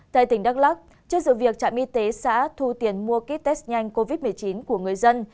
tại tỉnh đắk lắc trước sự việc trạm y tế xã thu tiền mua kýt test nhanh covid một mươi chín của người dân